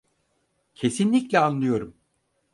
Kesinlikle anlıyorum.